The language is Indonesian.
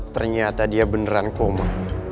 ternyata dia beneran koma